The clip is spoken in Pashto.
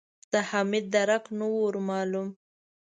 د حميد درک نه و ور مالوم.